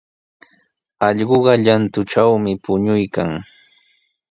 Allquqa llantutrawmi puñuykan.